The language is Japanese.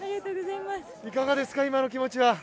いかがですか、今の気持ちは。